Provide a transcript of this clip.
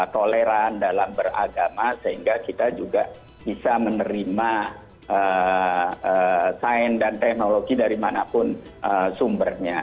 toleran dalam beragama sehingga kita juga bisa menerima sains dan teknologi dari manapun sumbernya